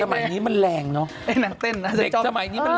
เด็กสมัยนี้เป็นแรงมากของนางเต้นน่ะ